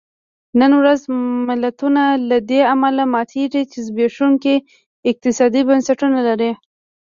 نن ورځ ملتونه له دې امله ماتېږي چې زبېښونکي اقتصادي بنسټونه لري.